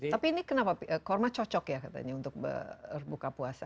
tapi ini kenapa kurma cocok ya katanya untuk berbuka puasa